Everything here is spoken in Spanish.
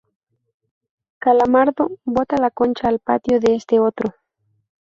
Calamardo, vota la concha al patio de este otro.